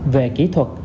về kỹ thuật